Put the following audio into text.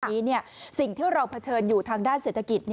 สิ่งที่เราเผชิญอยู่ทางด้านเศรษฐกิจ